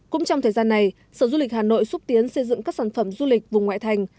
cũng trong thời gian này sở du lịch hà nội xúc tiến xây dựng các sản phẩm du lịch vùng ngoại thành